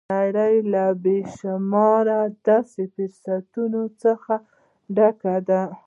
نړۍ له بې شمېره داسې فرصتونو څخه ډکه ده